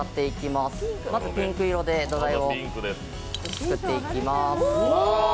まずピンク色で土台を作っていきます。